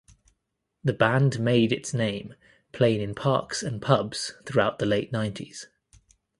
The band made its name playing in parks and pubs throughout the late nineties.